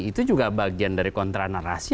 itu juga bagian dari kontra narasi